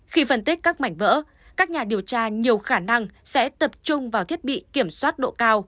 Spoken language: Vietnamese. khi phân tích các mảnh vỡ các nhà điều tra nhiều khả năng sẽ tập trung vào thiết bị kiểm soát độ cao